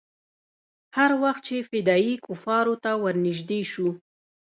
هر وخت چې فدايي کفارو ته ورنژدې سو.